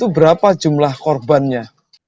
berapa jumlah korbannya